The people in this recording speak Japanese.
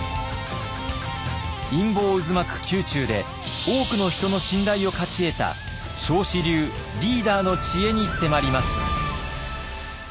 陰謀渦巻く宮中で多くの人の信頼を勝ち得た彰子流リーダーの知恵に迫ります。